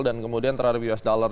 dan kemudian terhadap us dollar